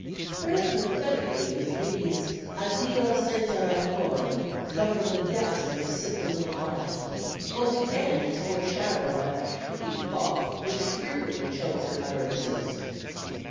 Very pathetically does Mimi's "addio senza rancor" come from the depths of her simple little heart, while the end is foreshadowed by the hacking cough which frequently chokes her utterances.